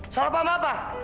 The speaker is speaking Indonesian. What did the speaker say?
salah paham apa